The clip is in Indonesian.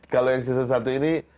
kalau yang season satu ini